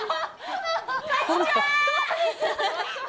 こんにちは！